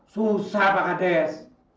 susah pak kades